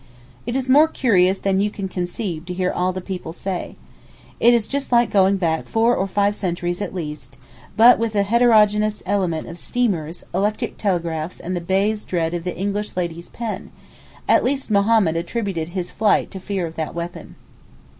It is more curious than you can conceive to hear all the people say. It is just like going back four or five centuries at least, but with the heterogeneous element of steamers, electric telegraphs and the Bey's dread of the English lady's pen—at least Mohammed attributed his flight to fear of that weapon.